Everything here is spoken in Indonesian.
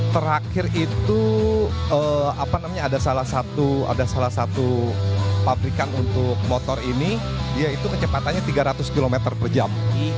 terakhir itu ada salah satu pabrikan untuk motor ini dia itu kecepatannya tiga ratus km per jam